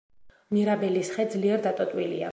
მირაბელის ხე ძლიერ დატოტვილია.